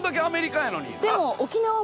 でも。